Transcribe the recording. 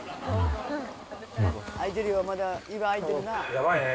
やばいね。